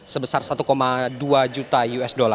sebesar satu dua juta usd